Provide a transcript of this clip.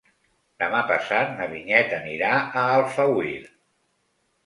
Demà passat na Vinyet anirà a Alfauir.